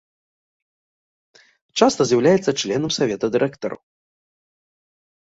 Часта з'яўляецца членам савета дырэктараў.